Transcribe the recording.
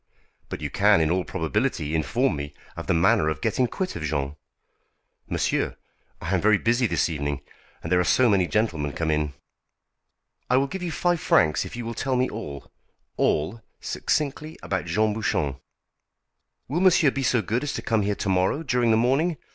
"But you can in all probability inform me of the manner of getting quit of Jean." "Monsieur! I am very busy this evening, there are so many gentlemen come in." "I will give you five francs if you will tell me all all succinctly about Jean Bouchon." "Will monsieur be so good as to come here to morrow during the morning?